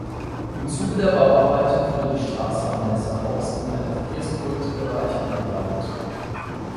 Im Zuge der Bauarbeiten wurde die Straße Am Messehaus in einen verkehrsberuhigten Bereich umgewandelt.